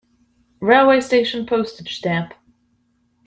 Railway station Postage stamp